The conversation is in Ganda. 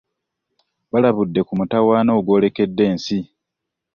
Balabudde ku mutawaana ogwolekedde ensi.